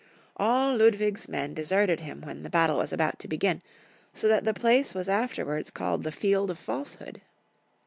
All Ludwig's men deserted him when the battle was about to begin, so that the place was after wards called the Field of Falsehood.